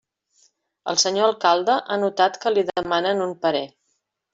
El senyor alcalde ha notat que li demanen un parer.